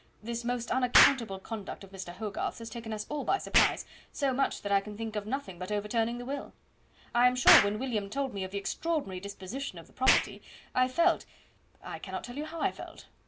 This most unaccountable conduct of Mr. Hogarth's has taken us all by surprise, so much that I can think of nothing but overturning the will. I am sure when William told me of the extraordinary disposition of the property, I felt I cannot tell you how I felt.